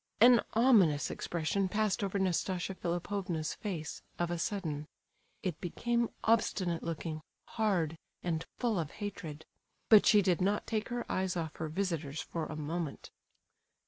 An ominous expression passed over Nastasia Philipovna's face, of a sudden. It became obstinate looking, hard, and full of hatred; but she did not take her eyes off her visitors for a moment.